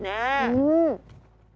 うん！